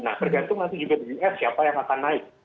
nah tergantung nanti juga the uf siapa yang akan naik